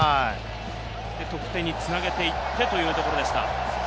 得点に繋げていってというところでした。